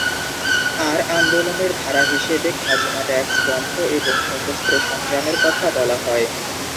আর আন্দোলনের ধারা হিসেবে খাজনা ট্যাক্স বন্ধ এবং সশস্ত্র সংগ্রামের কথা বলা হয়।